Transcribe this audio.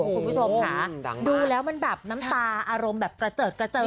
คุณผู้ชมค่ะดูแล้วมันแบบน้ำตาอารมณ์แบบกระเจิดกระเจิง